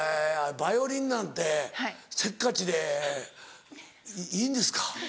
ヴァイオリンなんてせっかちでいいんですか？